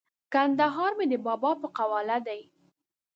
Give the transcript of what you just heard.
کندهار مې د بابا په قواله دی!